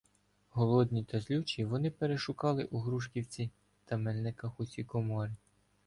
Голодні та злючі, вони перешукали у Грушківці та Мельниках усі комори.